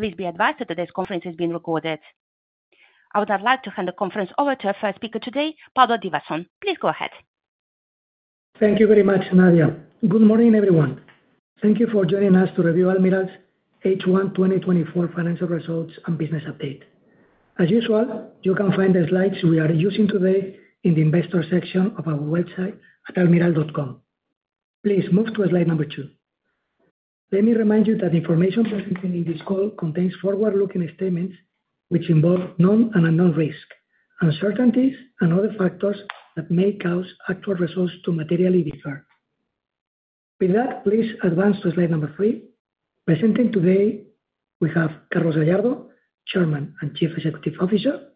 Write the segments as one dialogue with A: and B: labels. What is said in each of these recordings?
A: Please be advised that today's conference is being recorded. I would now like to hand the conference over to our first speaker today, Pablo Divasson. Please go ahead.
B: Thank you very much, Nadia. Good morning, everyone. Thank you for joining us to review Almirall's H1 2024 financial results and business update. As usual, you can find the slides we are using today in the investor section of our website at almirall.com. Please move to slide number 2. Let me remind you that the information presented in this call contains forward-looking statements, which involve known and unknown risks, uncertainties, and other factors that may cause actual results to materially differ. With that, please advance to slide number 3. Presenting today, we have Carlos Gallardo, Chairman and Chief Executive Officer,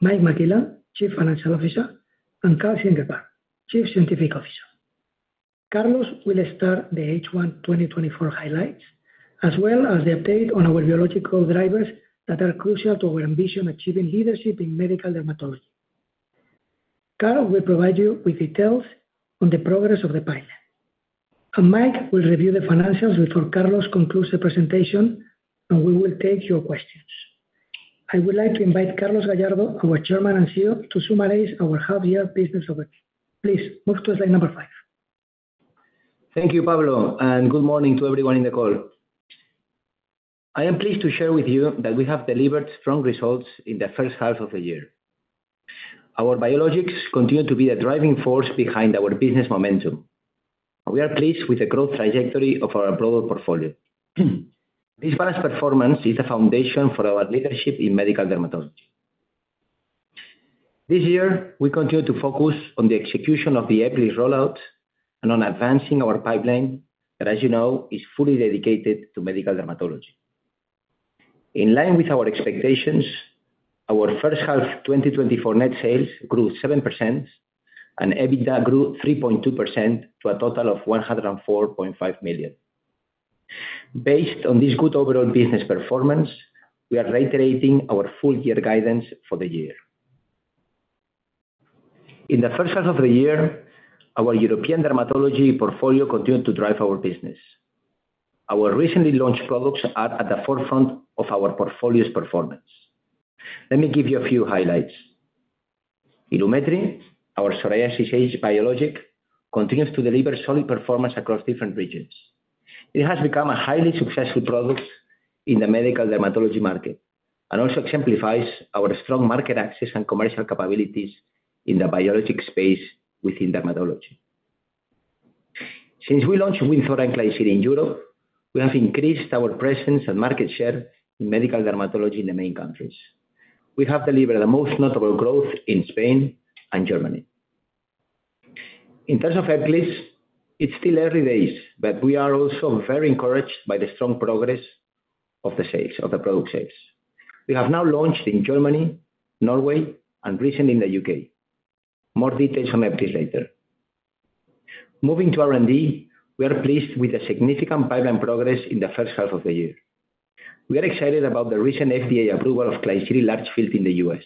B: Mike McGill, Chief Financial Officer, and Karl Ziegelbauer, Chief Scientific Officer. Carlos will start the H1 2024 highlights, as well as the update on our biological drivers that are crucial to our ambition, achieving leadership in medical dermatology. Carlos will provide you with details on the progress of the pipeline, and Mike will review the financials before Carlos concludes the presentation, and we will take your questions. I would like to invite Carlos Gallardo, our Chairman and CEO, to summarize our half-year business overview. Please, move to slide number 5.
C: Thank you, Pablo, and good morning to everyone in the call. I am pleased to share with you that we have delivered strong results in the first half of the year. Our biologics continue to be a driving force behind our business momentum. We are pleased with the growth trajectory of our global portfolio. This balanced performance is the foundation for our leadership in medical dermatology. This year, we continue to focus on the execution of the Ebglyss rollout and on advancing our pipeline, that, as you know, is fully dedicated to medical dermatology. In line with our expectations, our first half 2024 net sales grew 7%, and EBITDA grew 3.2% to a total of 104.5 million. Based on this good overall business performance, we are reiterating our full year guidance for the year. In the first half of the year, our European dermatology portfolio continued to drive our business. Our recently launched products are at the forefront of our portfolio's performance. Let me give you a few highlights. Ilumetri, our psoriasis biologic, continues to deliver solid performance across different regions. It has become a highly successful product in the medical dermatology market, and also exemplifies our strong market access and commercial capabilities in the biologic space within dermatology. Since we launched Wynzora and Klisyri in Europe, we have increased our presence and market share in medical dermatology in the main countries. We have delivered the most notable growth in Spain and Germany. In terms of Ebglyss, it's still early days, but we are also very encouraged by the strong progress of the sales, of the product sales. We have now launched in Germany, Norway, and recently in the UK. More details on Ebglyss later. Moving to R&D, we are pleased with the significant pipeline progress in the first half of the year. We are excited about the recent FDA approval of Klisyri large field in the US.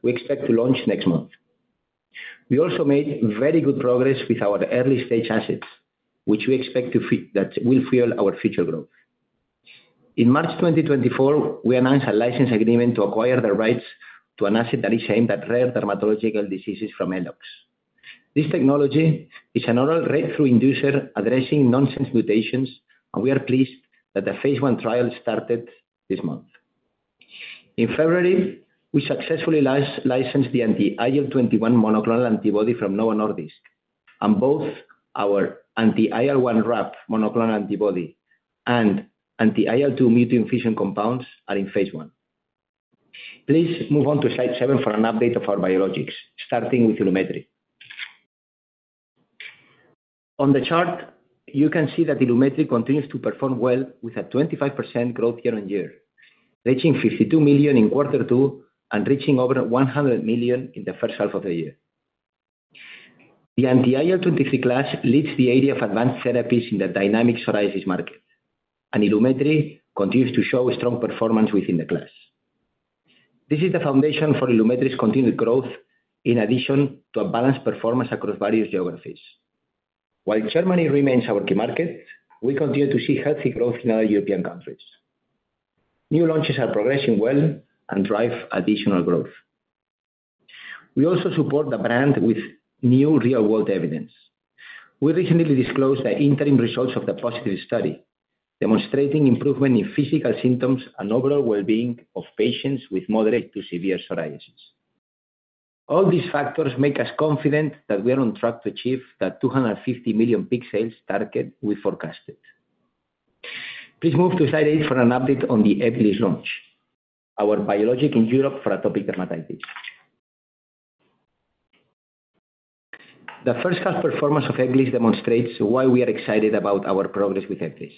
C: We expect to launch next month. We also made very good progress with our early-stage assets, which we expect to. That will fuel our future growth. In March 2024, we announced a license agreement to acquire the rights to an asset that is aimed at rare dermatological diseases from Eloxx. This technology is an oral read-through inducer, addressing nonsense mutations, and we are pleased that the phase 1 trial started this month. In February, we successfully licensed the anti-IL-21 monoclonal antibody from Novo Nordisk, and both our anti-IL-1RAP monoclonal antibody and anti-IL-2 mutant fusion compounds are in phase 1. Please move on to slide seven for an update of our biologics, starting with Ilumetri. On the chart, you can see that Ilumetri continues to perform well, with a 25% growth year-on-year, reaching 52 million in quarter two and reaching over 100 million in the first half of the year. The anti-IL-23 class leads the area of advanced therapies in the dynamic psoriasis market, and Ilumetri continues to show strong performance within the class. This is the foundation for Ilumetri's continued growth, in addition to a balanced performance across various geographies. While Germany remains our key market, we continue to see healthy growth in other European countries. New launches are progressing well and drive additional growth. We also support the brand with new real-world evidence. We recently disclosed the interim results of the POSITIVE study, demonstrating improvement in physical symptoms and overall well-being of patients with moderate to severe psoriasis. All these factors make us confident that we are on track to achieve the 250 million peak sales target we forecasted. Please move to slide 8 for an update on the Ebglyss launch, our biologic in Europe for atopic dermatitis. The first half performance of Ebglyss demonstrates why we are excited about our progress with Ebglyss.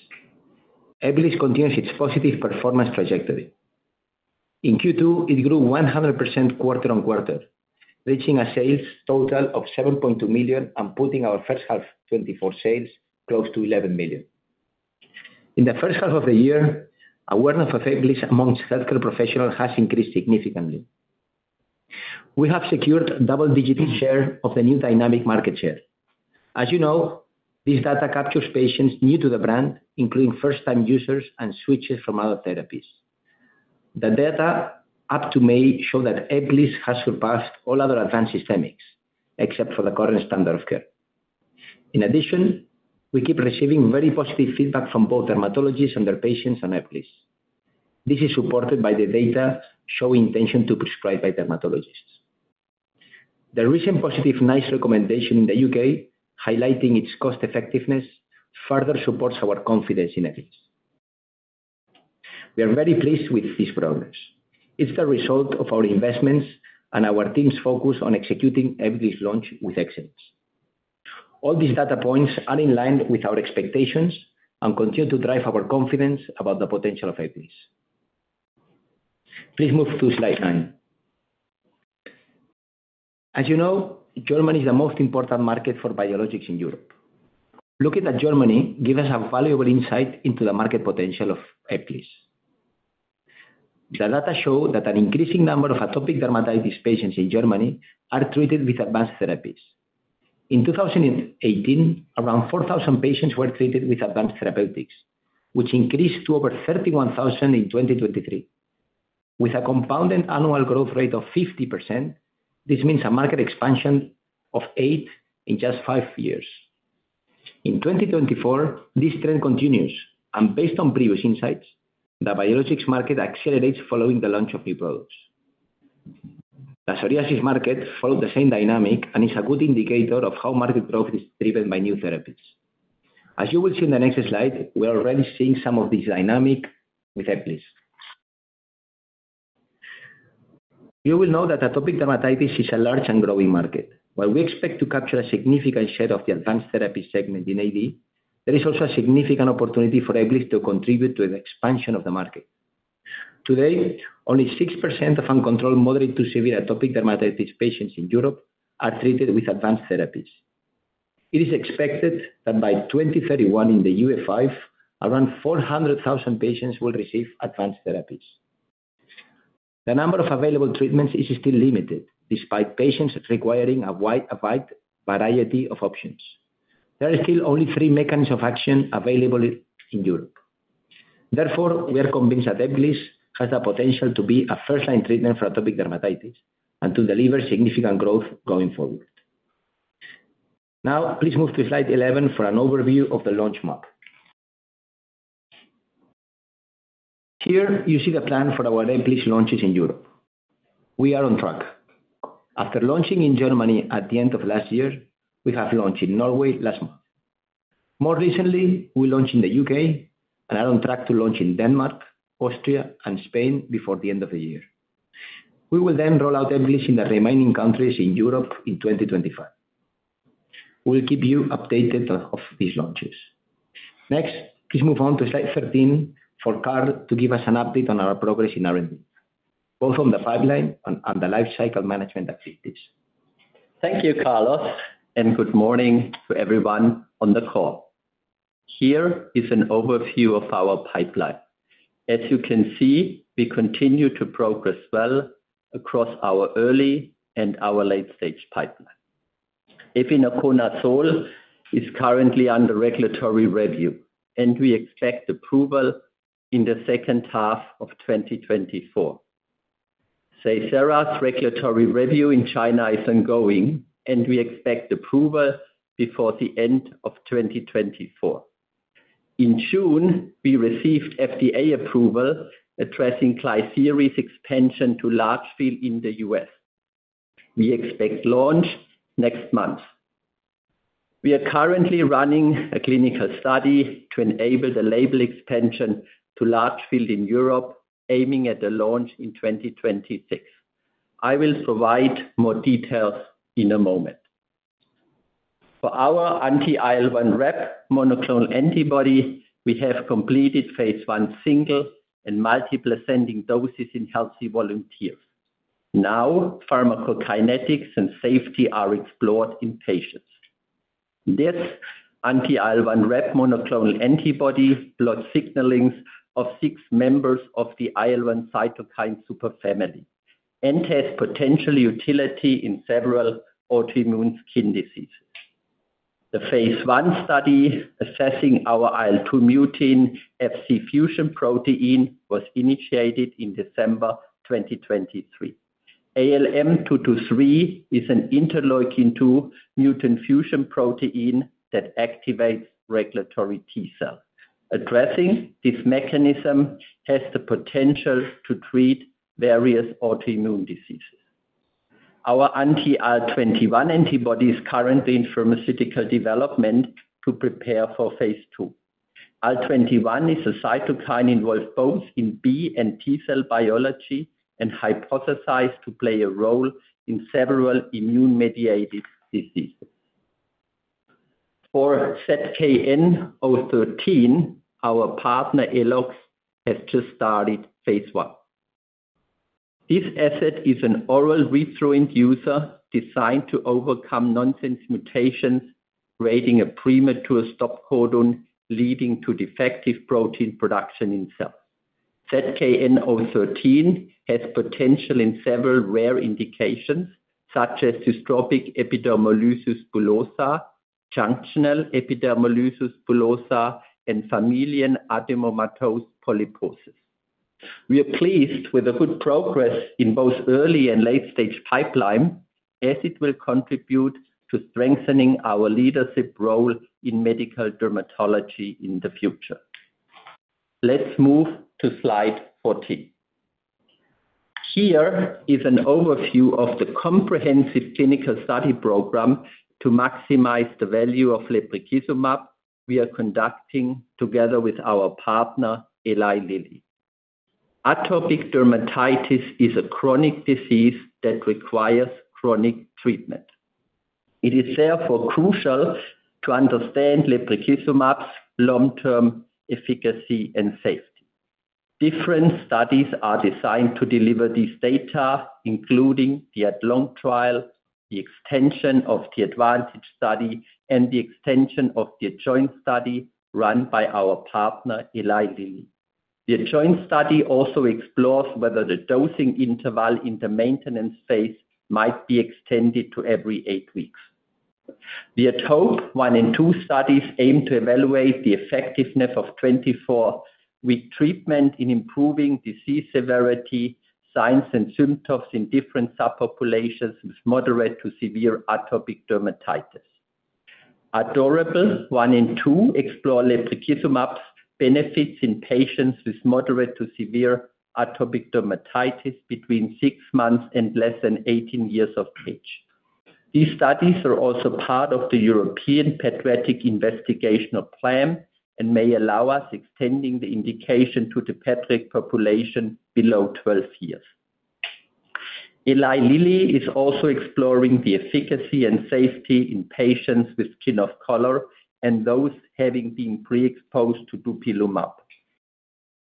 C: Ebglyss continues its positive performance trajectory. In Q2, it grew 100% quarter-on-quarter, reaching a sales total of 7.2 million and putting our first half 2024 sales close to 11 million. In the first half of the year, awareness of Ebglyss among healthcare professionals has increased significantly. We have secured double-digit share of the new dynamic market share. As you know, this data captures patients new to the brand, including first-time users and switchers from other therapies. The data up to May show that Ebglyss has surpassed all other advanced systemics, except for the current standard of care. In addition, we keep receiving very positive feedback from both dermatologists and their patients on Ebglyss. This is supported by the data showing intention to prescribe by dermatologists. The recent positive NICE recommendation in the UK, highlighting its cost effectiveness, further supports our confidence in Ebglyss. We are very pleased with this progress. It's the result of our investments and our team's focus on executing Ebglyss's launch with excellence. All these data points are in line with our expectations and continue to drive our confidence about the potential of Ebglyss. Please move to slide 9. As you know, Germany is the most important market for biologics in Europe. Looking at Germany, give us a valuable insight into the market potential of Ebglyss. The data show that an increasing number of atopic dermatitis patients in Germany are treated with advanced therapies. In 2018, around 4,000 patients were treated with advanced therapeutics, which increased to over 31,000 in 2023. With a compound annual growth rate of 50%, this means a market expansion of eight in just five years. In 2024, this trend continues, and based on previous insights, the biologics market accelerates following the launch of new products. The psoriasis market follows the same dynamic and is a good indicator of how market growth is driven by new therapies. As you will see in the next slide, we are already seeing some of these dynamics with Ebglyss. You will know that atopic dermatitis is a large and growing market. While we expect to capture a significant share of the advanced therapy segment in AD, there is also a significant opportunity for Ebglyss to contribute to an expansion of the market. Today, only 6% of uncontrolled, moderate to severe atopic dermatitis patients in Europe are treated with advanced therapies. It is expected that by 2031, in the EU5, around 400,000 patients will receive advanced therapies. The number of available treatments is still limited, despite patients requiring a wide variety of options. There are still only three mechanisms of action available in Europe. Therefore, we are convinced that Ebglyss has the potential to be a first-line treatment for atopic dermatitis and to deliver significant growth going forward. Now, please move to slide 11 for an overview of the launch map. Here, you see the plan for our Ebglyss launches in Europe. We are on track. After launching in Germany at the end of last year, we have launched in Norway last month. More recently, we launched in the UK, and are on track to launch in Denmark, Austria, and Spain before the end of the year. We will then roll out Ebglyss in the remaining countries in Europe in 2025. We'll keep you updated of these launches. Next, please move on to slide 13 for Karl to give us an update on our progress in R&D, both on the pipeline and the lifecycle management activities.
D: Thank you, Carlos, and good morning to everyone on the call. Here is an overview of our pipeline. As you can see, we continue to progress well across our early and our late-stage pipeline. Efinaconazole is currently under regulatory review, and we expect approval in the second half of 2024. Seysara's regulatory review in China is ongoing, and we expect approval before the end of 2024. In June, we received FDA approval, addressing Klisyri's expansion to large field in the U.S. We expect launch next month. We are currently running a clinical study to enable the label expansion to large field in Europe, aiming at the launch in 2026. I will provide more details in a moment. For our anti-IL-1RAP monoclonal antibody, we have completed phase 1, single and multiple ascending doses in healthy volunteers. Now, pharmacokinetics and safety are explored in patients. This anti-IL-1RAP monoclonal antibody blocks signaling of six members of the IL-1 cytokine superfamily, and has potential utility in several autoimmune skin diseases. The phase 1 study, assessing our IL-2 mutant Fc fusion protein, was initiated in December 2023. ALM223 is an interleukin-2 mutant fusion protein that activates regulatory T-cell. Addressing this mechanism has the potential to treat various autoimmune diseases. Our anti-IL-21 antibody is currently in pharmaceutical development to prepare for phase 2. IL-21 is a cytokine involved both in B and T-cell biology, and hypothesized to play a role in several immune-mediated diseases. For ZKN-013, our partner, Eloxx, has just started phase 1. This asset is an oral read-through inducer designed to overcome nonsense mutations, creating a premature stop codon, leading to defective protein production in cells. ZKN-013 has potential in several rare indications, such as dystrophic epidermolysis bullosa, junctional epidermolysis bullosa, and familial adenomatous polyposis. We are pleased with the good progress in both early and late-stage pipeline, as it will contribute to strengthening our leadership role in medical dermatology in the future. Let's move to slide 14. Here is an overview of the comprehensive clinical study program to maximize the value of lebrikizumab we are conducting together with our partner, Eli Lilly. Atopic dermatitis is a chronic disease that requires chronic treatment. It is therefore crucial to understand lebrikizumab's long-term efficacy and safety. Different studies are designed to deliver this data, including the ADlong trial, the extension of the ADvantage study, and the extension of the ADjoin study run by our partner, Eli Lilly. The ADjoin study also explores whether the dosing interval in the maintenance phase might be extended to every 8 weeks. The ADvocate 1 and two studies aim to evaluate the effectiveness of 24-week treatment in improving disease severity, signs, and symptoms in different subpopulations with moderate to severe atopic dermatitis. ADore one and two explore lebrikizumab's benefits in patients with moderate to severe atopic dermatitis between six months and less than 18 years of age. These studies are also part of the European pediatric investigational plan and may allow us extending the indication to the pediatric population below 12 years. Eli Lilly is also exploring the efficacy and safety in patients with skin of color and those having been pre-exposed to dupilumab.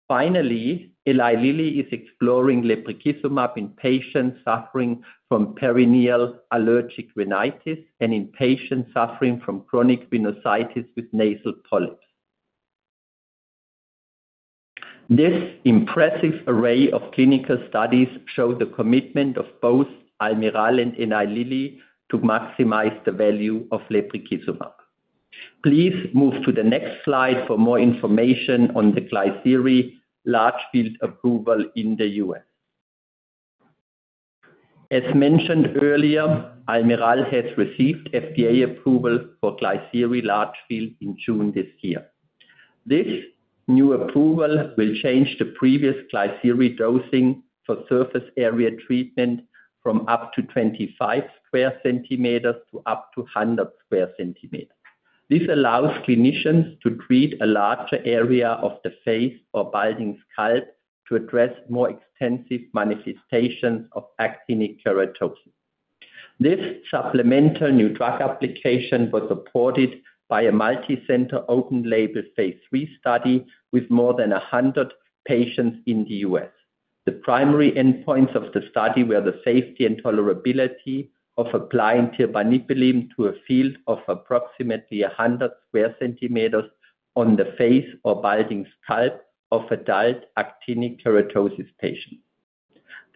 D: Finally, Eli Lilly is exploring lebrikizumab in patients suffering from perennial allergic rhinitis and in patients suffering from chronic sinusitis with nasal polyps. This impressive array of clinical studies show the commitment of both Almirall and Eli Lilly to maximize the value of lebrikizumab. Please move to the next slide for more information on the Klisyri large field approval in the U.S. As mentioned earlier, Almirall has received FDA approval for Klisyri large field in June this year. This new approval will change the previous Klisyri dosing for surface area treatment from up to 25 square centimeters to up to 100 square centimeters. This allows clinicians to treat a larger area of the face or balding scalp to address more extensive manifestations of actinic keratosis. This supplemental new drug application was supported by a multicenter, open-label, phase 3 study with more than 100 patients in the U.S. The primary endpoints of the study were the safety and tolerability of applying tirbanibulin to a field of approximately 100 square centimeters on the face or balding scalp of adult actinic keratosis patients.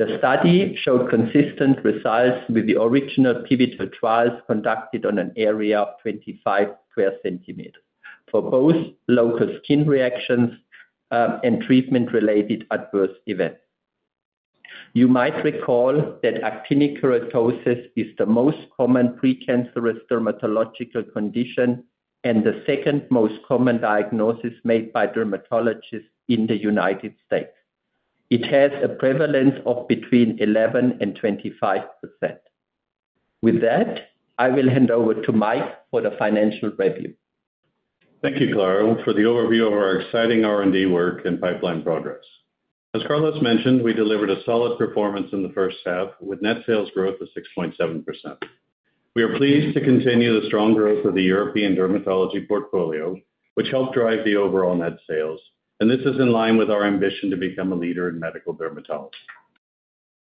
D: The study showed consistent results with the original pivotal trials conducted on an area of 25 square centimeters, for both local skin reactions and treatment-related adverse events. You might recall that actinic keratosis is the most common precancerous dermatological condition and the second most common diagnosis made by dermatologists in the United States. It has a prevalence of between 11% and 25%. With that, I will hand over to Mike for the financial review.
E: Thank you, Carlos, for the overview of our exciting R&D work and pipeline progress. As Carlos mentioned, we delivered a solid performance in the first half, with net sales growth of 6.7%. We are pleased to continue the strong growth of the European dermatology portfolio, which helped drive the overall net sales, and this is in line with our ambition to become a leader in medical dermatology.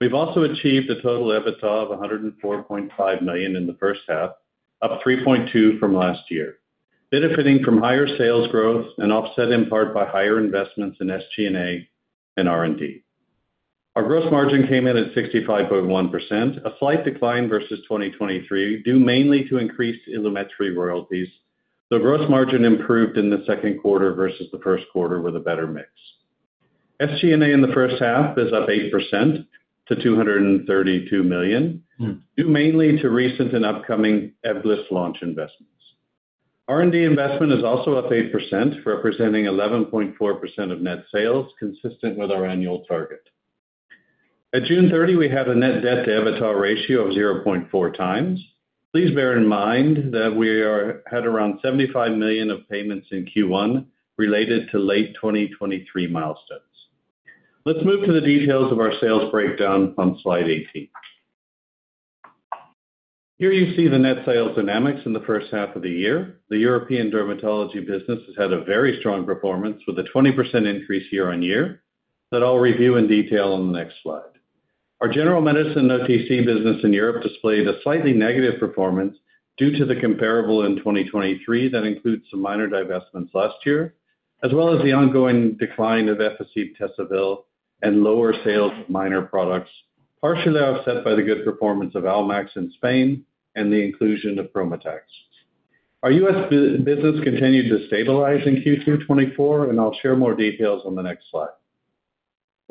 E: We've also achieved a total EBITDA of 104.5 million in the first half, up 3.2% from last year, benefiting from higher sales growth and offset in part by higher investments in SG&A and R&D. Our gross margin came in at 65.1%, a slight decline versus 2023, due mainly to increased Ilumetri royalties. The gross margin improved in the second quarter versus the first quarter with a better mix. SG&A in the first half is up 8% to 232 million, due mainly to recent and upcoming Ebglyss launch investments. R&D investment is also up 8%, representing 11.4% of net sales, consistent with our annual target. At June 30, we had a net debt to EBITDA ratio of 0.4 times. Please bear in mind that we had around 75 million of payments in Q1 related to late 2023 milestones. Let's move to the details of our sales breakdown on slide 18. Here, you see the net sales dynamics in the first half of the year. The European dermatology business has had a very strong performance with a 20% increase year-on-year, that I'll review in detail on the next slide. Our general medicine OTC business in Europe displayed a slightly negative performance due to the comparable in 2023 that includes some minor divestments last year, as well as the ongoing decline of Efficib, Tesavel and lower sales of minor products, partially offset by the good performance of Almax in Spain and the inclusion of Prometax. Our US business continued to stabilize in Q2 2024, and I'll share more details on the next slide.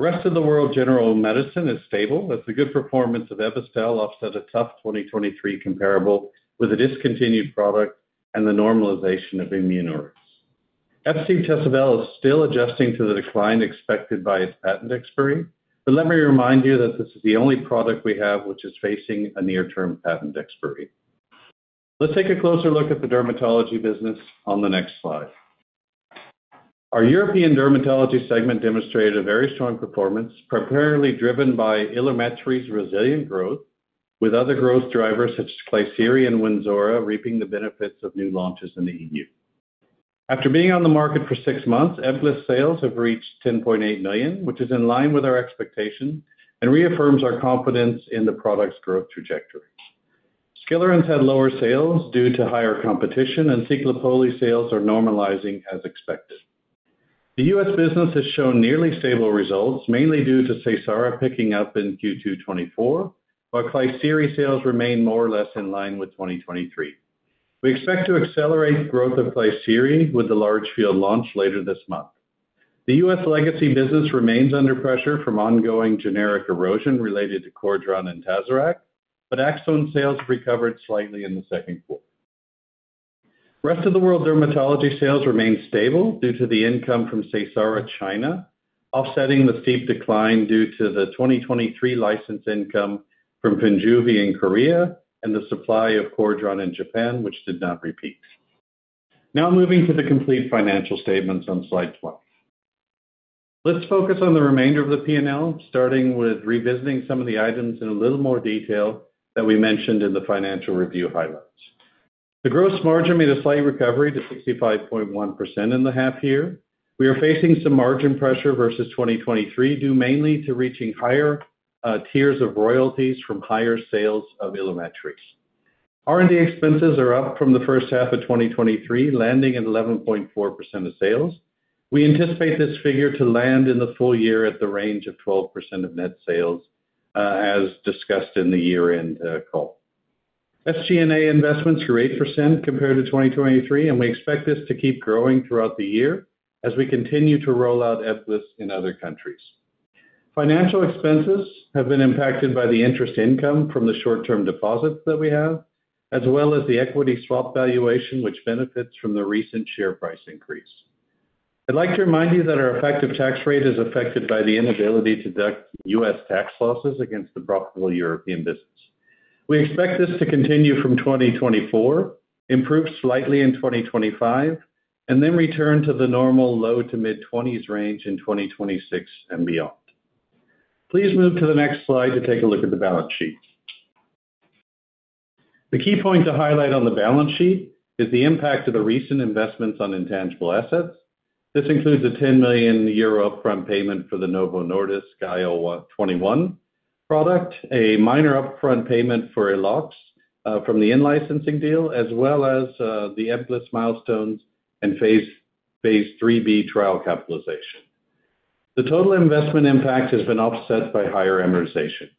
E: Rest of the world general medicine is stable, as the good performance of Ebastel offset a tough 2023 comparable with a discontinued product and the normalization of Imunorix. Efficib, Tesavel is still adjusting to the decline expected by its patent expiry, but let me remind you that this is the only product we have which is facing a near-term patent expiry. Let's take a closer look at the dermatology business on the next slide. Our European dermatology segment demonstrated a very strong performance, primarily driven by Ilumetri's resilient growth, with other growth drivers such as Klisyri and Wynzora reaping the benefits of new launches in the EU. After being on the market for six months, Ebglyss sales have reached 10.8 million, which is in line with our expectation and reaffirms our confidence in the product's growth trajectory. Skilarence had lower sales due to higher competition, and Ciclopoli sales are normalizing as expected. The U.S. business has shown nearly stable results, mainly due to Seysara picking up in Q2 2024, while Klisyri sales remain more or less in line with 2023. We expect to accelerate growth of Klisyri with the large field launch later this month. The U.S. legacy business remains under pressure from ongoing generic erosion related to Cordran and Tazorac, but Aczone sales recovered slightly in the second quarter. Rest of the world dermatology sales remained stable due to the income from Seysara China, offsetting the steep decline due to the 2023 license income from Finjuve in Korea and the supply of Cordran in Japan, which did not repeat. Now moving to the complete financial statements on slide 20. Let's focus on the remainder of the P&L, starting with revisiting some of the items in a little more detail that we mentioned in the financial review highlights. The gross margin made a slight recovery to 65.1% in the half year. We are facing some margin pressure versus 2023, due mainly to reaching higher tiers of royalties from higher sales of Ilumetri. R&D expenses are up from the first half of 2023, landing at 11.4% of sales. We anticipate this figure to land in the full year at the range of 12% of net sales, as discussed in the year-end call. SG&A investments were 8% compared to 2023, and we expect this to keep growing throughout the year as we continue to roll out Ebglyss in other countries. Financial expenses have been impacted by the interest income from the short-term deposits that we have, as well as the equity swap valuation, which benefits from the recent share price increase. I'd like to remind you that our effective tax rate is affected by the inability to deduct U.S. tax losses against the profitable European business. We expect this to continue from 2024, improve slightly in 2025, and then return to the normal low to mid-20s range in 2026 and beyond. Please move to the next slide to take a look at the balance sheet. The key point to highlight on the balance sheet is the impact of the recent investments on intangible assets. This includes a 10 million euro upfront payment for the Novo Nordisk IL-21 product, a minor upfront payment for Eloxx from the in-licensing deal, as well as the Ebglyss milestones and phase IIIb trial capitalization. The total investment impact has been offset by higher amortization.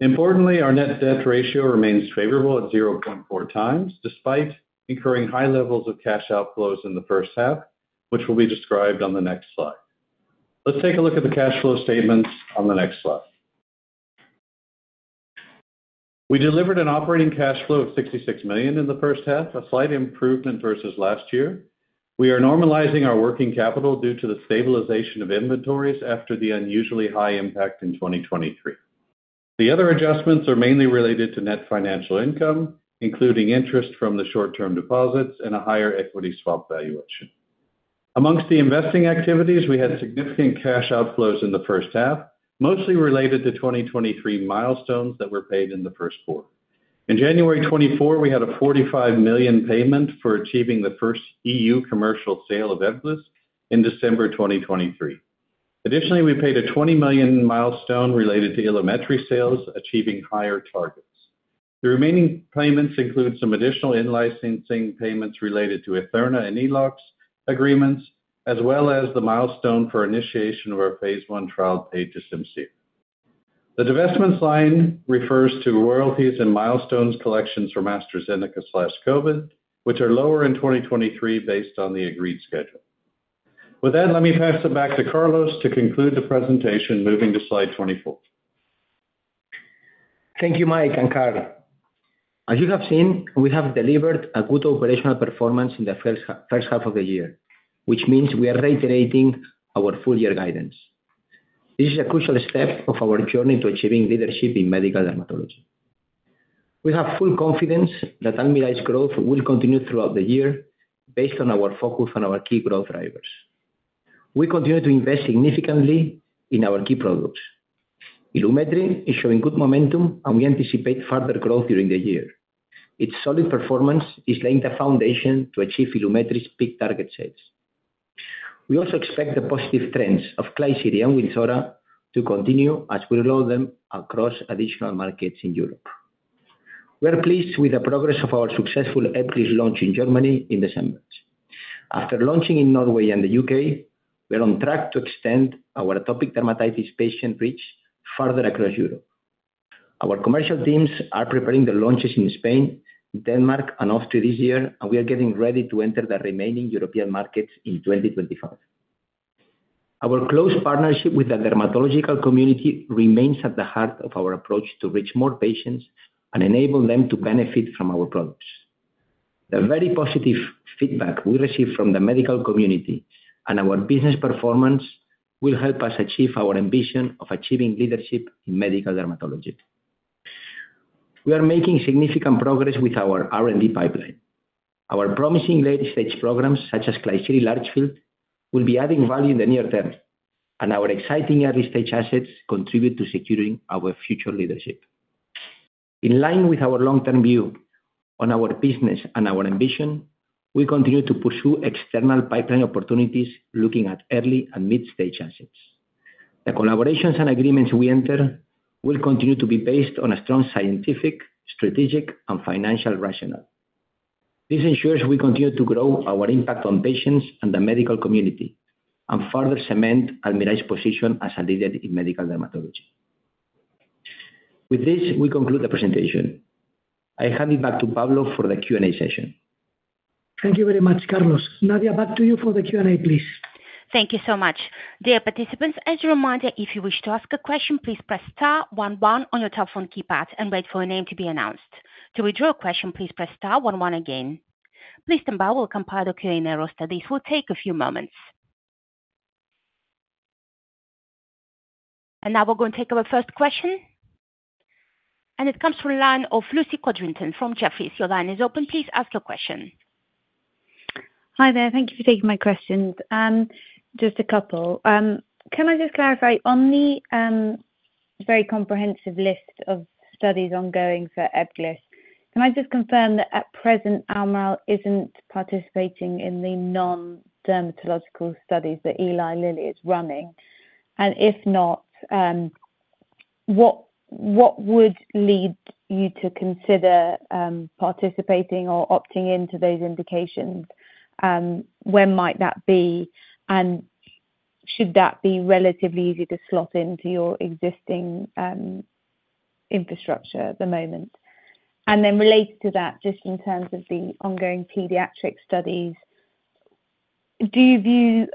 E: Importantly, our net debt ratio remains favorable at 0.4 times, despite incurring high levels of cash outflows in the first half, which will be described on the next slide. Let's take a look at the cash flow statements on the next slide. We delivered an operating cash flow of 66 million in the first half, a slight improvement versus last year. We are normalizing our working capital due to the stabilization of inventories after the unusually high impact in 2023. The other adjustments are mainly related to net financial income, including interest from the short-term deposits and a higher equity swap valuation. Among the investing activities, we had significant cash outflows in the first half, mostly related to 2023 milestones that were paid in the first quarter. In January 2024, we had a 45 million payment for achieving the first EU commercial sale of Ebglyss in December 2023. Additionally, we paid a 20 million milestone related to Ilumetri sales, achieving higher targets. The remaining payments include some additional in-licensing payments related to Etherna and Eloxx agreements, as well as the milestone for initiation of our phase 1 trial paid to Simcere. The divestments line refers to royalties and milestones collections from AstraZeneca/Covis, which are lower in 2023 based on the agreed schedule. With that, let me pass it back to Carlos to conclude the presentation, moving to slide 24.
C: Thank you, Mike and Karl. As you have seen, we have delivered a good operational performance in the first half of the year, which means we are reiterating our full year guidance. This is a crucial step of our journey to achieving leadership in medical dermatology. We have full confidence that Almirall's growth will continue throughout the year based on our focus and our key growth drivers. We continue to invest significantly in our key products. Ilumetri is showing good momentum, and we anticipate further growth during the year. Its solid performance is laying the foundation to achieve Ilumetri's peak target sales. We also expect the positive trends of Klisyri and Wynzora to continue as we roll them across additional markets in Europe. We are pleased with the progress of our successful Ebglyss launch in Germany in December. After launching in Norway and the UK, we are on track to extend our atopic dermatitis patient reach farther across Europe. Our commercial teams are preparing the launches in Spain, Denmark, and Austria this year, and we are getting ready to enter the remaining European markets in 2025. Our close partnership with the dermatological community remains at the heart of our approach to reach more patients and enable them to benefit from our products. The very positive feedback we receive from the medical community and our business performance will help us achieve our ambition of achieving leadership in medical dermatology. We are making significant progress with our R&D pipeline. Our promising late-stage programs, such as Klisyri large field, will be adding value in the near term, and our exciting early-stage assets contribute to securing our future leadership. In line with our long-term view on our business and our ambition, we continue to pursue external pipeline opportunities, looking at early and mid-stage assets. The collaborations and agreements we enter will continue to be based on a strong scientific, strategic, and financial rationale. This ensures we continue to grow our impact on patients and the medical community and further cement Almirall's position as a leader in medical dermatology. With this, we conclude the presentation. I hand it back to Pablo for the Q&A session.
B: Thank you very much, Carlos. Nadia, back to you for the Q&A, please.
A: Thank you so much. Dear participants, as a reminder, if you wish to ask a question, please press star one one on your telephone keypad and wait for your name to be announced. To withdraw a question, please press star one one again. Please stand by, we'll compile the Q&A roster. This will take a few moments. Now we're going to take our first question. It comes from the line of Lucy Codrington from Jefferies. Your line is open, please ask your question.
F: Hi there. Thank you for taking my questions. Just a couple. Can I just clarify on the very comprehensive list of studies ongoing for Ebglyss? Can I just confirm that at present, Almirall isn't participating in the non-dermatological studies that Eli Lilly is running? And if not, what would lead you to consider participating or opting into those indications? When might that be? And should that be relatively easy to slot into your existing infrastructure at the moment? And then related to that, just in terms of the ongoing pediatric studies, do you view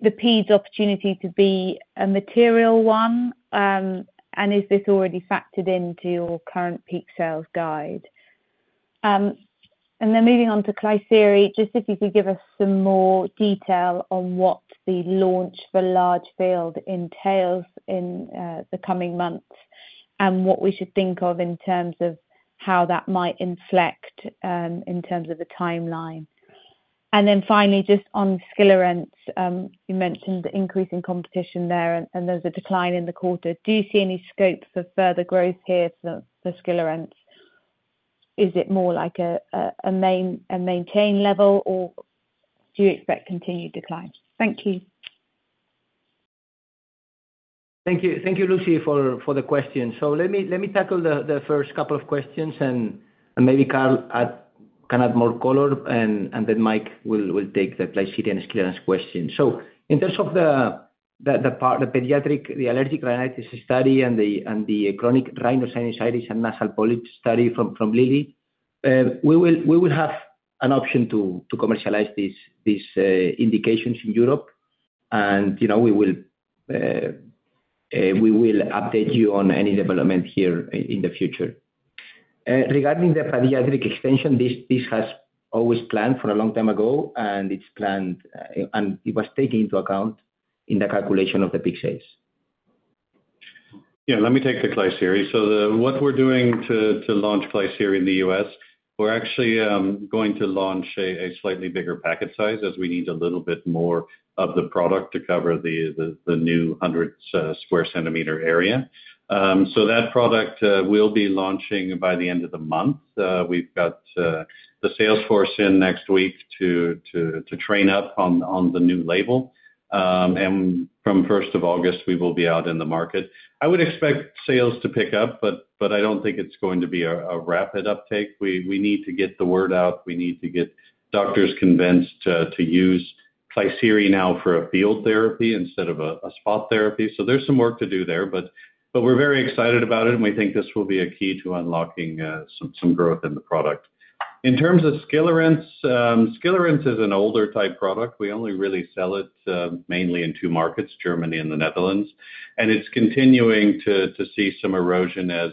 F: the peds opportunity to be a material one? And is this already factored into your current peak sales guide? And then moving on to Klisyri, just if you could give us some more detail on what the launch for large field entails in the coming months, and what we should think of in terms of how that might inflect in terms of the timeline. And then finally, just on Skilarence, you mentioned the increase in competition there, and there's a decline in the quarter. Do you see any scopes for further growth here for Skilarence? Is it more like a maintained level, or do you expect continued decline? Thank you.
C: Thank you. Thank you, Lucy, for the question. So let me tackle the first couple of questions, and maybe Carlos can add more color, and then Mike will take the Klisyri and Skilarence question. So in terms of the pediatric allergic rhinitis study and the chronic rhinosinusitis and nasal polyps study from Lilly, we will have an option to commercialize these indications in Europe. And, you know, we will update you on any development here in the future. Regarding the pediatric extension, this has always planned for a long time ago, and it's planned, and it was taken into account in the calculation of the peak sales.
D: Yeah, let me take the Klisyri. So what we're doing to launch Klisyri in the U.S., we're actually going to launch a slightly bigger packet size, as we need a little bit more of the product to cover the new 100 sq cm area. So that product will be launching by the end of the month. We've got the sales force in next week to train up on the new label. And from first of August, we will be out in the market. I would expect sales to pick up, but I don't think it's going to be a rapid uptake. We need to get the word out. We need to get doctors convinced to use Klisyri now for a field therapy instead of a spot therapy. So there's some work to do there, but, but we're very excited about it, and we think this will be a key to unlocking some growth in the product. In terms of Skilarence, Skilarence is an older type product. We only really sell it mainly in two markets, Germany and the Netherlands. And it's continuing to see some erosion as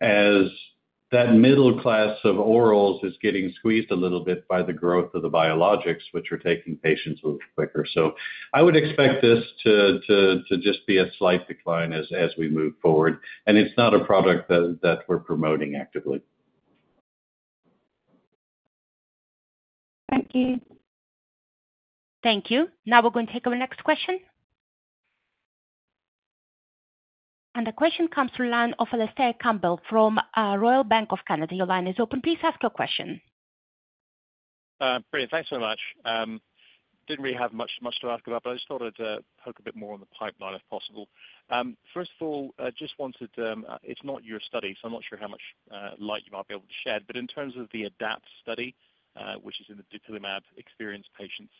D: that middle class of orals is getting squeezed a little bit by the growth of the biologics, which are taking patients much quicker. So I would expect this to just be a slight decline as we move forward, and it's not a product that we're promoting actively.
F: Thank you.
A: Thank you. Now we're going to take our next question. And the question comes through line of Alistair Campbell from Royal Bank of Canada. Your line is open. Please ask your question.
G: Brilliant. Thanks so much. Didn't really have much to ask about, but I just thought I'd poke a bit more on the pipeline, if possible. First of all, I just wanted, it's not your study, so I'm not sure how much light you might be able to shed. But in terms of the ADAPT study, which is in the dupilumab-experienced patients,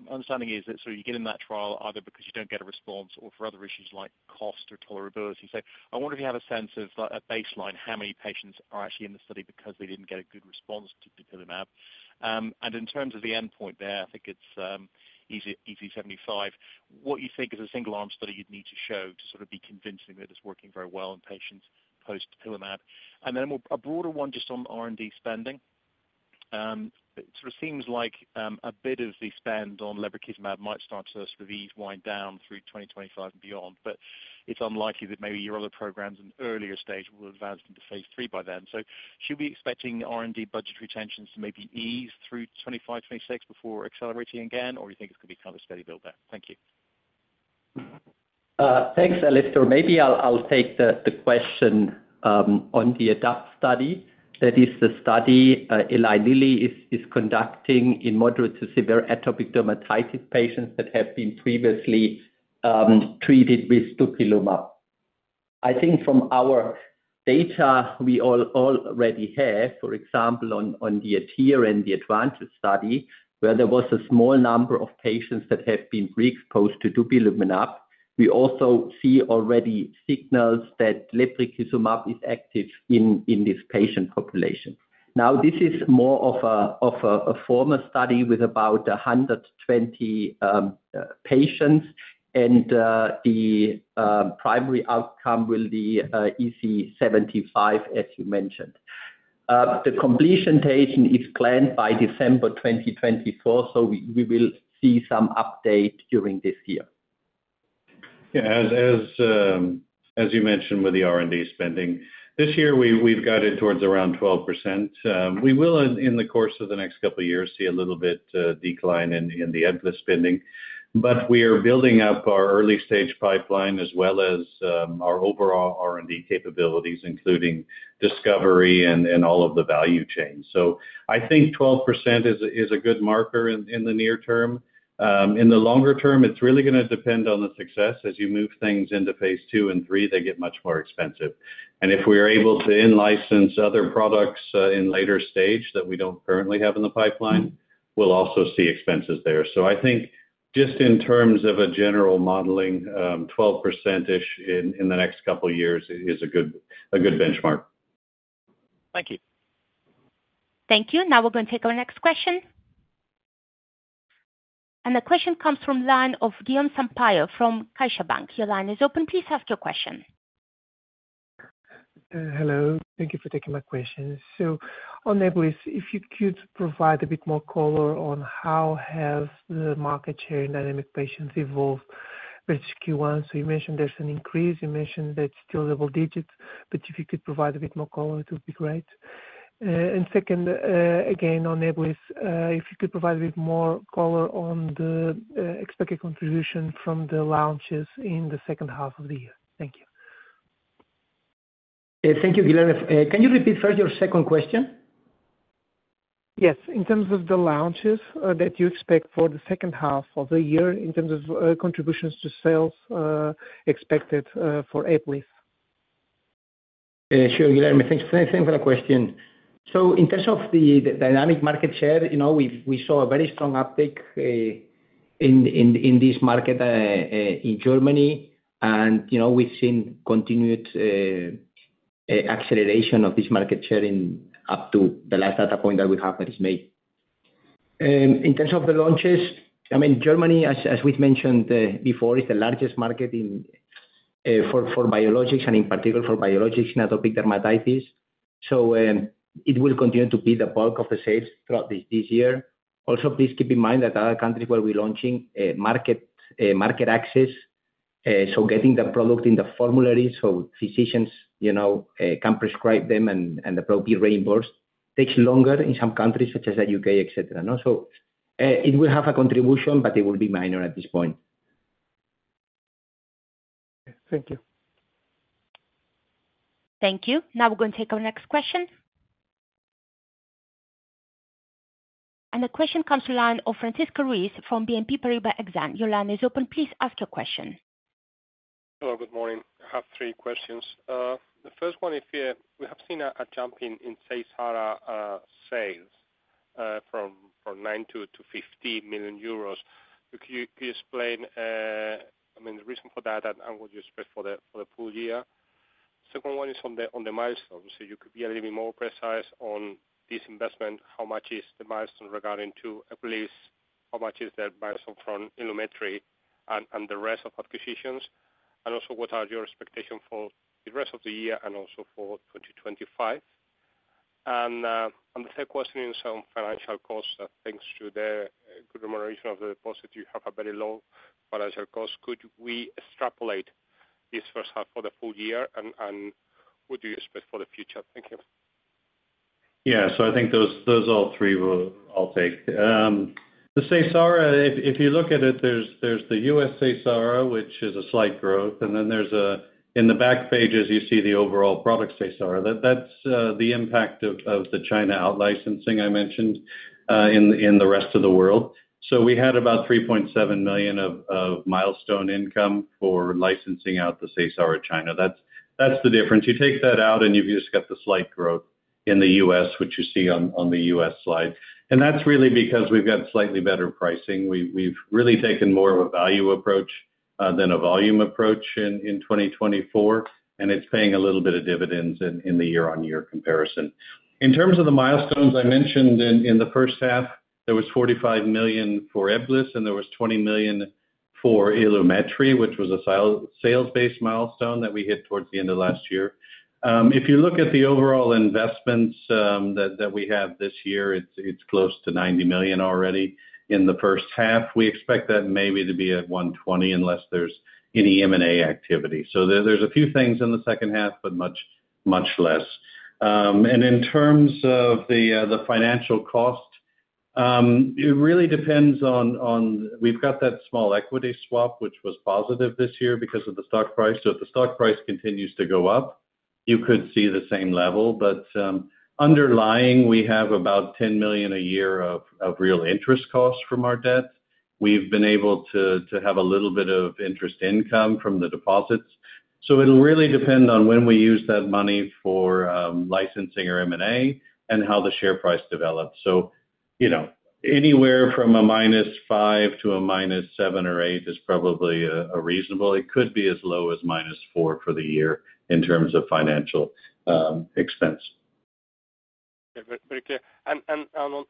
G: my understanding is that so you get in that trial either because you don't get a response or for other issues like cost or tolerability. So I wonder if you have a sense of, like, a baseline, how many patients are actually in the study because they didn't get a good response to dupilumab? And in terms of the endpoint there, I think it's EASI-75. What do you think is a single arm study you'd need to show to sort of be convincing that it's working very well in patients post-dupilumab? And then a more, a broader one just on R&D spending. It sort of seems like a bit of the spend on lebrikizumab might start to sort of ease wind down through 2025 and beyond, but it's unlikely that maybe your other programs in earlier stage will advance into phase 3 by then. So should we be expecting R&D budget retentions to maybe ease through 2025, 2026 before accelerating again? Or do you think it's gonna be kind of a steady build there? Thank you.
C: Thanks, Alistair. Maybe I'll take the question on the ADapt study. That is the study Eli Lilly is conducting in moderate to severe atopic dermatitis patients that have been previously treated with dupilumab. I think from our data, we already have, for example, on the ADhere and the ADvantage study, where there was a small number of patients that have been re-exposed to dupilumab. We also see already signals that lebrikizumab is active in this patient population. Now, this is more of a formal study with about 120 patients, and the primary outcome will be EASI-75, as you mentioned. The completion date is planned by December 2024, so we will see some update during this year.
E: Yeah. As you mentioned, with the R&D spending, this year, we, we've guided towards around 12%. We will, in the course of the next couple of years, see a little bit, decline in the R&D spending. But we are building up our early-stage pipeline, as well as, our overall R&D capabilities, including discovery and all of the value chains. So I think 12% is a good marker in the near term. In the longer term, it's really gonna depend on the success. As you move things into phase 2 and 3, they get much more expensive. And if we are able to in-license other products, in later stage that we don't currently have in the pipeline, we'll also see expenses there. I think just in terms of a general modeling, 12%-ish in the next couple of years is a good benchmark.
G: Thank you.
A: Thank you. Now we're going to take our next question. The question comes from the line of Guilherme Sampaio from CaixaBank. Your line is open. Please ask your question.
H: Hello. Thank you for taking my question. So on Ebglyss, if you could provide a bit more color on how have the market share in dynamic patients evolved versus Q1? So you mentioned there's an increase, you mentioned that it's still double digits, but if you could provide a bit more color, it would be great. And second, again, on Ebglyss, if you could provide a bit more color on the expected contribution from the launches in the second half of the year. Thank you.
C: Thank you, Guilherme. Can you repeat first your second question?
H: Yes. In terms of the launches that you expect for the second half of the year, in terms of contributions to sales expected for Ebglyss.
C: Sure, Guilherme. Thanks, thanks, thanks for the question. So in terms of the dynamic market share, you know, we've we saw a very strong uptick in this market in Germany. And, you know, we've seen continued acceleration of this market share up to the last data point that we have, that is May. In terms of the launches, I mean, Germany, as we've mentioned before, is the largest market in for biologics and in particular for biologics in atopic dermatitis. So it will continue to be the bulk of the sales throughout this year. Also, please keep in mind that other countries where we're launching, market access, so getting the product in the formulary so physicians, you know, can prescribe them and appropriate reimbursed, takes longer in some countries, such as the UK, et cetera, and also, it will have a contribution, but it will be minor at this point.
H: Thank you.
A: Thank you. Now we're going to take our next question. The question comes to line of Francisco Ruiz from BNP Paribas Exane. Your line is open. Please ask your question.
I: Hello, good morning. I have three questions. The first one, if we have seen a jump in Seysara sales from 9 million to 50 million euros. Could you please explain, I mean, the reason for that, and what you expect for the full year? Second one is on the milestones, so you could be a little bit more precise on this investment. How much is the milestone regarding to Ebglyss? How much is the milestone from Ilumetri and the rest of acquisitions? And also, what are your expectation for the rest of the year and also for 2025? And on the third question, some financial costs, thanks to the good remuneration of the deposit, you have a very low financial cost. Could we extrapolate this first half for the full year, and what do you expect for the future? Thank you.
E: Yeah, so I think those all three will, I'll take. The Seysara, if you look at it, there's the US Seysara, which is a slight growth, and then there's in the back pages, you see the overall product Seysara. That's the impact of the China out-licensing I mentioned in the rest of the world. So we had about 3.7 million of milestone income for licensing out the Seysara China. That's the difference. You take that out, and you've just got the slight growth in the U.S., which you see on the U.S. slide. And that's really because we've got slightly better pricing. We've really taken more of a value approach than a volume approach in 2024, and it's paying a little bit of dividends in the year-on-year comparison. In terms of the milestones I mentioned in the first half, there was 45 million for Ebglyss, and there was 20 million for Ilumetri, which was a sales-based milestone that we hit towards the end of last year. If you look at the overall investments that we have this year, it's close to 90 million already in the first half. We expect that maybe to be at 120 million, unless there's any M&A activity. So there, there's a few things in the second half, but much, much less. And in terms of the financial cost, it really depends on... We've got that small equity swap, which was positive this year because of the stock price. So if the stock price continues to go up, you could see the same level, but, underlying, we have about 10 million a year of real interest costs from our debt. We've been able to have a little bit of interest income from the deposits, so it'll really depend on when we use that money for licensing or M&A and how the share price develops. So, you know, anywhere from -5 million to -7 million or -8 million is probably a reasonable. It could be as low as -4 million for the year in terms of financial expense.
I: Yeah. Very, very clear. And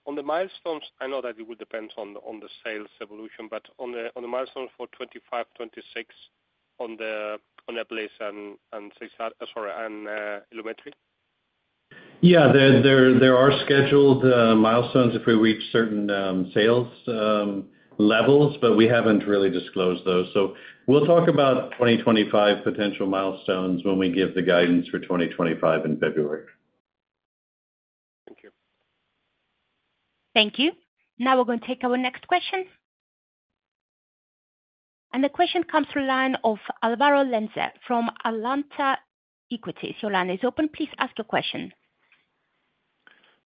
I: on the milestones, I know that it will depend on the sales evolution, but on the milestone for 2025, 2026, on the Ebglyss and Seysara, sorry, and Ilumetri?
E: Yeah. There are scheduled milestones if we reach certain sales levels, but we haven't really disclosed those. So we'll talk about 2025 potential milestones when we give the guidance for 2025 in February.
I: Thank you.
A: Thank you. Now we're going to take our next question. The question comes from the line of Álvaro Lenze from Alantra Equities. Your line is open. Please ask your question.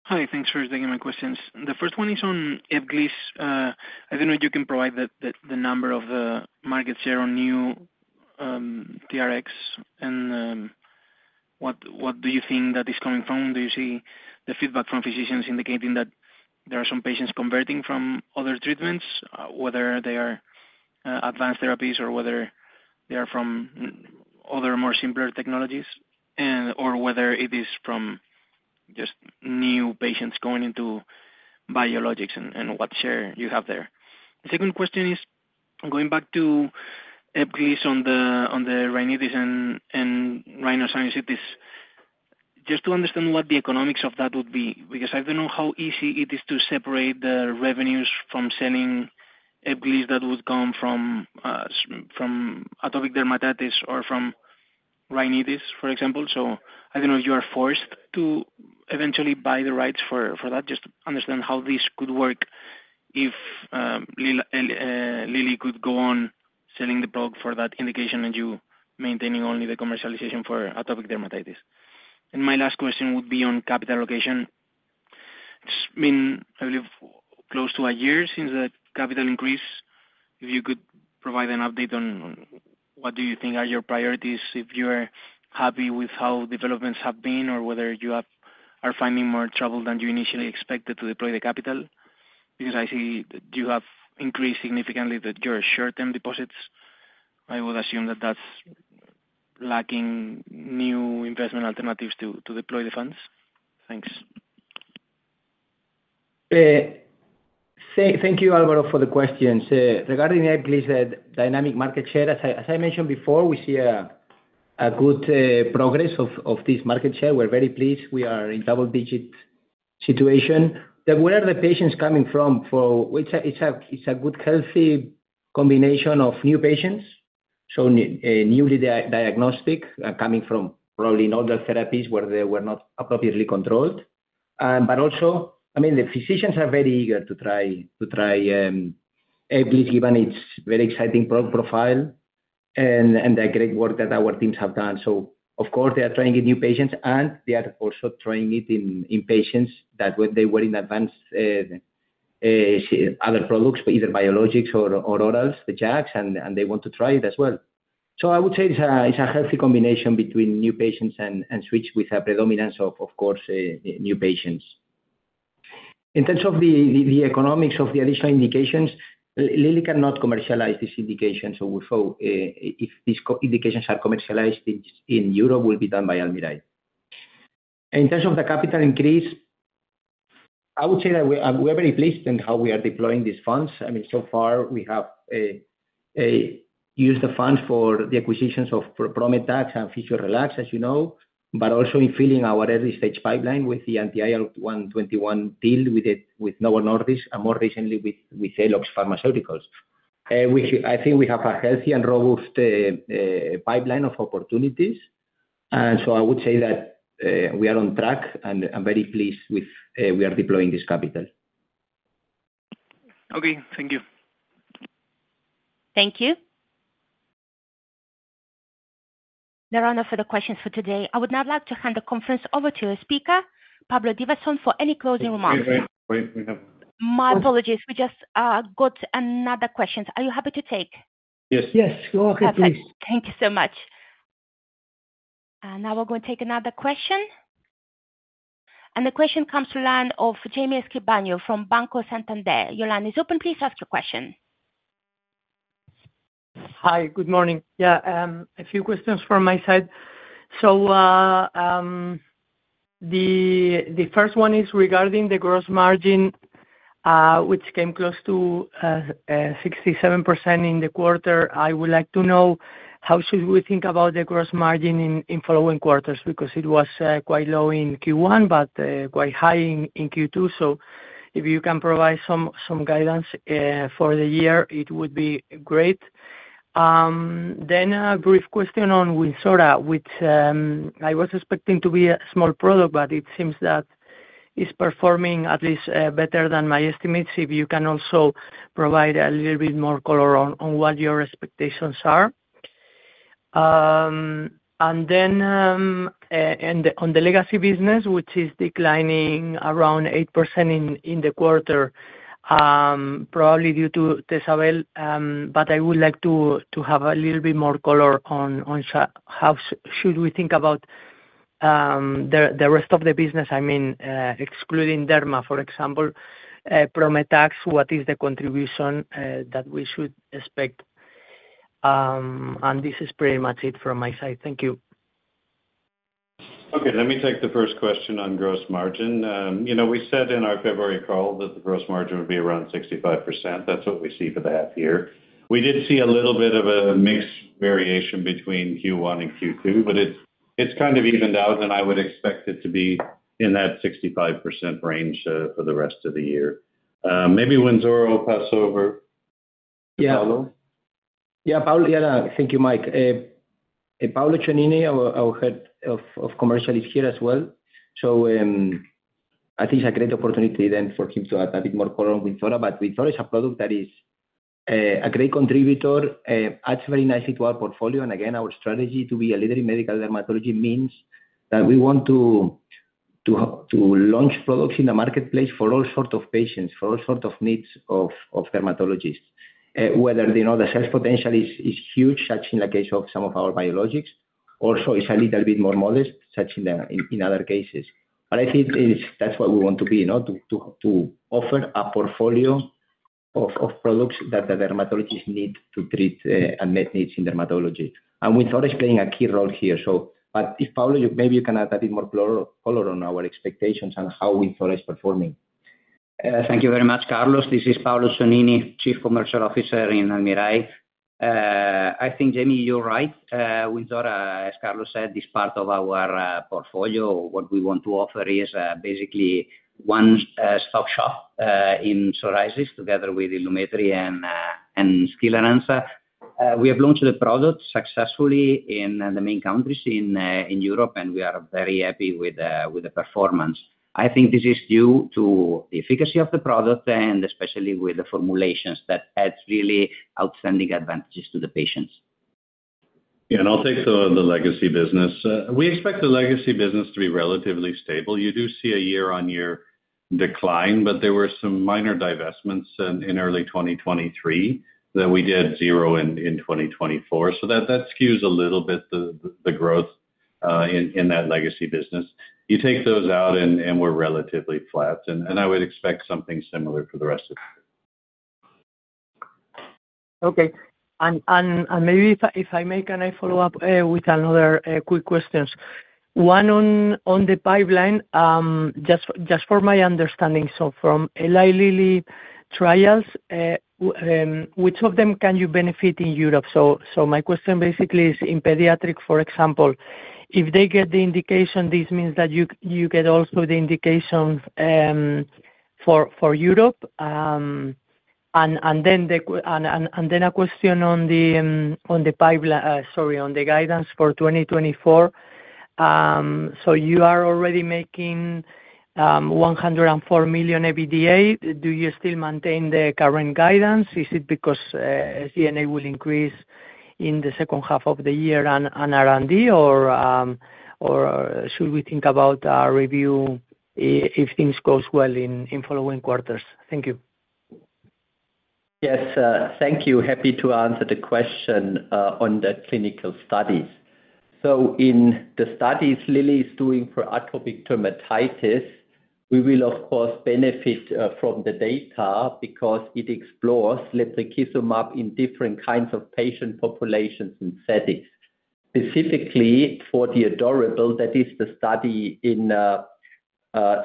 J: Hi, thanks for taking my questions. The first one is on Ebglyss. I don't know if you can provide the number of market share on new TRXs, and what do you think that is coming from? Do you see the feedback from physicians indicating that there are some patients converting from other treatments, whether they are advanced therapies or whether they are from other more simpler technologies, or whether it is from just new patients going into biologics and what share you have there? The second question is going back to Ebglyss on the rhinitis and rhinosinusitis, just to understand what the economics of that would be, because I don't know how easy it is to separate the revenues from selling Ebglyss that would come from from atopic dermatitis or from rhinitis, for example. So I don't know if you are forced to eventually buy the rights for that, just to understand how this could work if Lilly could go on selling the product for that indication and you maintaining only the commercialization for atopic dermatitis. And my last question would be on capital allocation. It's been, I believe, close to a year since the capital increase. If you could provide an update on what do you think are your priorities, if you're happy with how developments have been, or whether you are finding more trouble than you initially expected to deploy the capital? Because I see you have increased significantly that your short-term deposits. I would assume that that's lacking new investment alternatives to deploy the funds. Thanks.
C: Thank you, Álvaro, for the questions. Regarding Ebglyss, the dynamic market share, as I mentioned before, we see a good progress of this market share. We're very pleased. We are in double digit situation. But where are the patients coming from? It's a good, healthy combination of new patients, so newly diagnosed, coming from probably older therapies where they were not appropriately controlled. But also, I mean, the physicians are very eager to try Ebglyss, given its very exciting profile and the great work that our teams have done. So of course, they are trying to get new patients, and they are also trying it in patients that when they were in advanced other products, either biologics or orals, the JAKs, and they want to try it as well. So I would say it's a healthy combination between new patients and switch with a predominance of, of course, new patients. In terms of the economics of the additional indications, Lilly cannot commercialize this indication, so we hope if these co-indications are commercialized in Europe, will be done by Almirall. In terms of the capital increase, I would say that we are very pleased in how we are deploying these funds. I mean, so far, we have used the funds for the acquisitions of Prometax and Physiorelax, as you know, but also in filling our early-stage pipeline with the anti-IL-21 deal with Novo Nordisk, and more recently with Eloxx Pharmaceuticals. We, I think we have a healthy and robust pipeline of opportunities. And so I would say that we are on track, and I'm very pleased with we are deploying this capital.
J: Okay, thank you.
A: Thank you. There are no further questions for today. I would now like to hand the conference over to your speaker, Pablo Divasson, for any closing remarks.
B: We have-
A: My apologies. We just got another question. Are you happy to take?
C: Yes. Yes, go ahead, please.
A: Thank you so much. Now we're going to take another question. The question comes to line of Jaime Escribano from Banco Santander. Your line is open, please ask your question.
K: Hi, good morning. Yeah, a few questions from my side. So, the first one is regarding the gross margin, which came close to 67% in the quarter. I would like to know how should we think about the gross margin in following quarters? Because it was quite low in Q1, but quite high in Q2. So if you can provide some guidance for the year, it would be great. Then a brief question on Wynzora, which I was expecting to be a small product, but it seems that it's performing at least better than my estimates. If you can also provide a little bit more color on what your expectations are. And then, and on the legacy business, which is declining around 8% in the quarter, probably due to Teseval. But I would like to have a little bit more color on how we should think about the rest of the business, I mean, excluding derma, for example, Almax, what is the contribution that we should expect? And this is pretty much it from my side. Thank you.
E: Okay, let me take the first question on gross margin. You know, we said in our February call that the gross margin would be around 65%. That's what we see for the half year. We did see a little bit of a mix variation between Q1 and Q2, but it kind of evened out, and I would expect it to be in that 65% range for the rest of the year. Maybe Wynzora, I'll pass over.
C: Yeah. Hello? Yeah, Pablo. Yeah, thank you, Mike. And Paolo Cionini, our head of commercial is here as well. So, I think it's a great opportunity then for him to add a bit more color on Wynzora. But Wynzora is a product that is a great contributor, adds very nicely to our portfolio. And again, our strategy to be a leader in medical dermatology means that we want to launch products in the marketplace for all sorts of patients, for all sorts of needs of dermatologists. Whether, you know, the sales potential is huge, such in the case of some of our biologics. Also, it's a little bit more modest, such in the other cases. But I think it's, that's what we want to be, you know, to offer a portfolio of products that the dermatologists need to treat and meet needs in dermatology. And Wynzora is playing a key role here. So, but if, Paolo, maybe you can add a bit more color on our expectations on how Wynzora is performing.
L: Thank you very much, Carlos. This is Paolo Cionini, Chief Commercial Officer in Almirall. I think, Jamie, you're right. Wynzora, as Carlos said, is part of our, portfolio. What we want to offer is, basically one stop shop, in psoriasis together with Ilumetri and, and Skilarence. We have launched the product successfully in the main countries in, in Europe, and we are very happy with the, with the performance. I think this is due to the efficacy of the product, and especially with the formulations that adds really outstanding advantages to the patients.
E: Yeah, and I'll take the legacy business. We expect the legacy business to be relatively stable. You do see a year-on-year decline, but there were some minor divestments in early 2023 that we did zero in 2024. So that skews a little bit the growth in that legacy business. You take those out and we're relatively flat, and I would expect something similar for the rest of the year.
K: Okay. And maybe if I make a follow-up with another quick questions. One on the pipeline, just for my understanding, so from Eli Lilly trials, which of them can you benefit in Europe? So my question basically is in pediatric, for example, if they get the indication, this means that you get also the indications for Europe? And then a question on the guidance for 2024. So you are already making 104 million EBITDA. Do you still maintain the current guidance? Is it because SG&A will increase in the second half of the year on R&D? Or, should we think about a review if things goes well in following quarters? Thank you.
D: Yes, thank you. Happy to answer the question on the clinical studies. In the studies Lilly is doing for atopic dermatitis, we will of course benefit from the data because it explores lebrikizumab in different kinds of patient populations and settings. Specifically for the ADore, that is the study in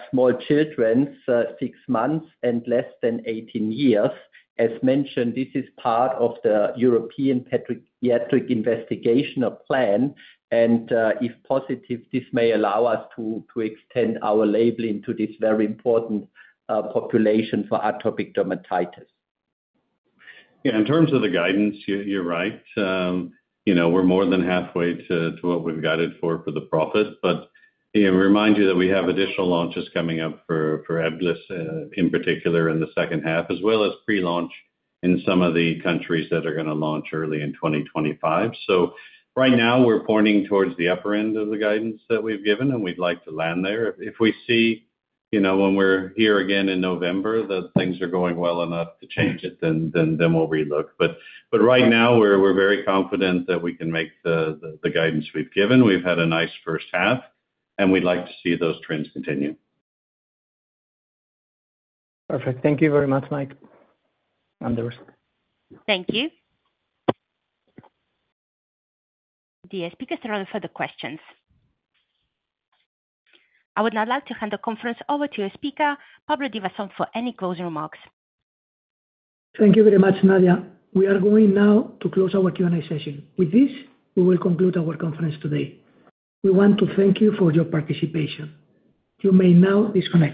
D: small children 6 months and less than 18 years. As mentioned, this is part of the European pediatric investigational plan, and if positive, this may allow us to extend our labeling to this very important population for atopic dermatitis.
E: Yeah, in terms of the guidance, you're right. You know, we're more than halfway to what we've guided for the profit. But you know, remind you that we have additional launches coming up for Ebglyss in particular in the second half, as well as pre-launch in some of the countries that are gonna launch early in 2025. So right now we're pointing towards the upper end of the guidance that we've given, and we'd like to land there. If we see, you know, when we're here again in November, that things are going well enough to change it, then we'll relook. But right now we're very confident that we can make the guidance we've given. We've had a nice first half, and we'd like to see those trends continue.
C: Perfect. Thank you very much, Mike, and the rest.
A: Thank you. There are no further questions. I would now like to hand the conference over to your speaker, Pablo Divasson, for any closing remarks.
B: Thank you very much, Nadia. We are going now to close our Q&A session. With this, we will conclude our conference today. We want to thank you for your participation. You may now disconnect.